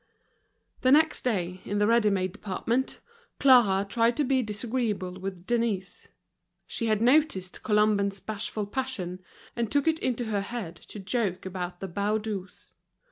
The next day, in the ready made department, Clara tried to be disagreeable with Denise. She had noticed Colomban's bashful passion, and took it into her head to joke about the Baudus.